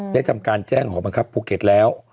ได้ทำการแจ้งหอบังคับภูเก็ตแล้ว